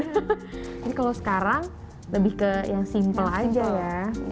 jadi kalau sekarang lebih ke yang simpel aja ya